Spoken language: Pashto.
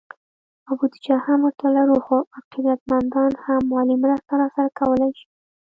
او بودیجه هم ورته لرو، خو عقیدت مندان هم مالي مرسته راسره کولی شي